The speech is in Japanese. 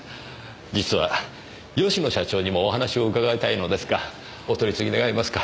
実は吉野社長にもお話を伺いたいのですがお取り次ぎ願えますか？